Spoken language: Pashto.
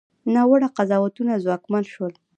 ناوړه قضاوتونه ځواکمن شول.